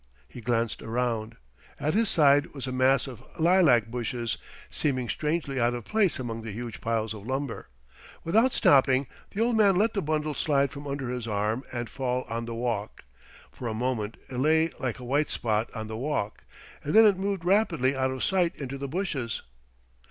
He glanced around. At his side was a mass of lilac bushes, seeming strangely out of place among the huge piles of lumber. Without stopping, the old man let the bundle slide from under his arm and fall on the walk. For a moment it lay like a white spot on the walk, and then it moved rapidly out of sight into the bushes.